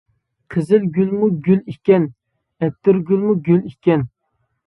قىزىل گۈلمۇ گۈل ئىكەن، ئەتىرگۈلمۇ گۈل ئىكەن.